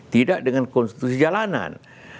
tidak dengan konstitusi jalanan